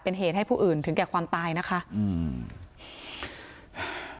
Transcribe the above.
เป็นเหตุให้ผู้อื่นถึงแก่ความตายนะคะอืม